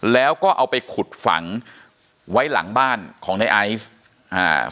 แล้วก็เอาไปขุดฝังไว้หลังบ้านของในไอซ์อ่า